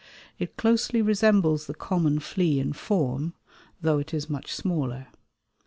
It closely resembles the common flea in form, though it is much smaller.